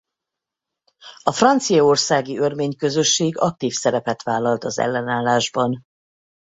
A franciaországi örmény közösség aktív szerepet vállalt az ellenállásban.